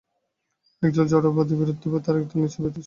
একদল জড়বাদী, বিরুদ্ধবাদী, আর একদল নিশ্চিতবাদী সংগঠনকারী।